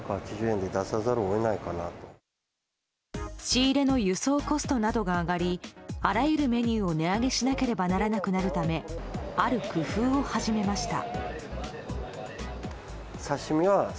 仕入れの輸送コストなどが上がりあらゆるメニューを値上げしなければならなくなるためある工夫を始めました。